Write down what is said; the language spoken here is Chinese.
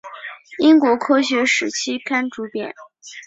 英国科学史期刊主编。